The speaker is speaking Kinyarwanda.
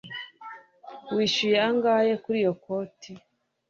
Wishyuye angahe kuri iyo koti